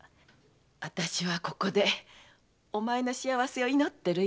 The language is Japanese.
わたしはここでお前の幸せを祈ってるよ。